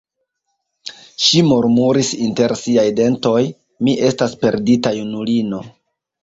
Ŝi murmuris inter siaj dentoj: "Mi estas perdita junulino!"